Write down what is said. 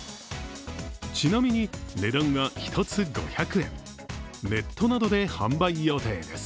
ちなみに値段は１つ５００円ネットなどで販売予定です。